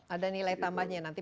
ada nilai tambahnya nanti